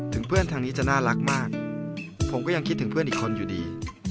เพื่อนทางนี้จะน่ารักมากผมก็ยังคิดถึงเพื่อนอีกคนอยู่ดี